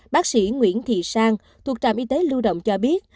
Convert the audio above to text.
bác sĩ nguyễn thị sang thuộc trạm y tế lưu động cho biết